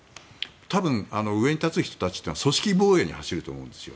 多分、上に立つ人たちは組織防衛に走ると思うんですよ。